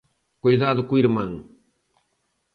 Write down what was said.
Coidado co irmán.